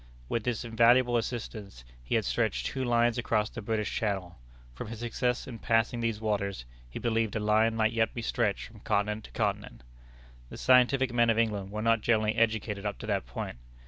With this invaluable assistance, he had stretched two lines across the British channel. From his success in passing these waters, he believed a line might yet be stretched from continent to continent. The scientific men of England were not generally educated up to that point.